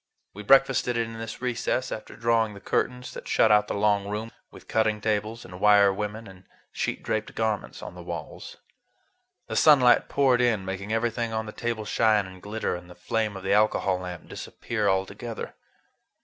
We breakfasted in this recess, after drawing the curtains that shut out the long room, with cutting tables and wire women and sheet draped garments on the walls. The sunlight poured in, making everything on the table shine and glitter and the flame of the alcohol lamp disappear altogether.